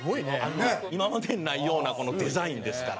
今までにないようなこのデザインですから。